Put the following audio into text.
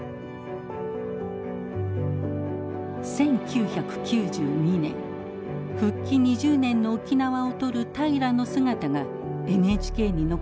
１９９２年復帰２０年の沖縄を撮る平良の姿がＮＨＫに残されています。